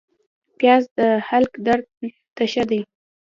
پیاز د حلق درد ته ښه دی